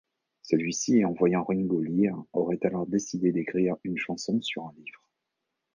Celui-ci, en voyant Ringo lire, aurait alors décidé d'écrire une chanson sur un livre.